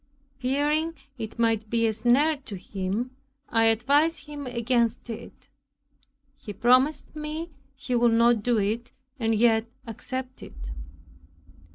Fearing it might be a snare to him, I advised him against it. He promised me he would not do it, and yet accepted it.